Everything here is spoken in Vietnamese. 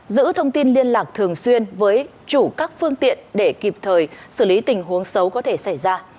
giữ thông tin liên lạc thường xuyên với chủ các phương tiện để kịp thời xử lý tình huống xấu có thể xảy ra